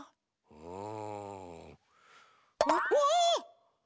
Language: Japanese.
うん！